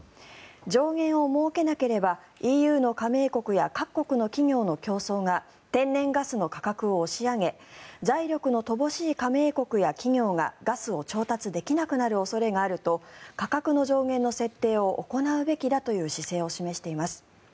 上限を設けなければＥＵの加盟国や各国の企業の競争が天然ガスの価格を押し上げ財力の乏しい加盟国や企業がガスを調達できなくなる恐れがあると価格の上限の設定を行うべきだという姿勢を示しています。